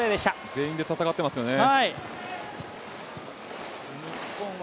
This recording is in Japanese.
全員で戦ってますよね。